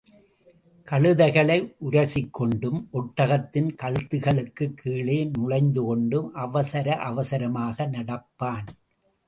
கழுதைகளை உரசிக் கொண்டும் ஒட்டகத்தின் கழுத்துகளுக்குக் கீழே நுழைந்துகொண்டும் அவசர அவசரமாக நடப்பான்.